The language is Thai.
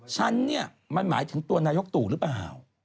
ฉันเนี่ยมันหมายถึงตัวนายกตู่หรือเปล่า